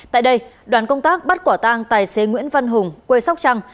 tại đây đoàn công tác bắt quả tang tài xế nguyễn văn hùng quê sóc trăng